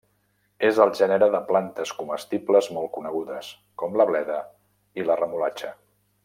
És el gènere de plantes comestibles molt conegudes com la bleda i la remolatxa.